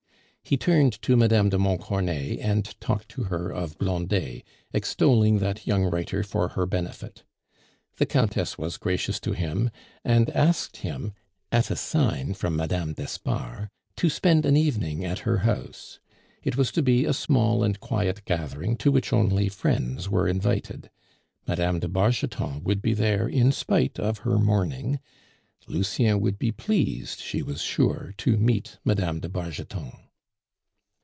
He turned to Mme. de Montcornet and talked to her of Blondet, extolling that young writer for her benefit. The Countess was gracious to him, and asked him (at a sign from Mme. d'Espard) to spend an evening at her house. It was to be a small and quiet gathering to which only friends were invited Mme. de Bargeton would be there in spite of her mourning; Lucien would be pleased, she was sure, to meet Mme. de Bargeton.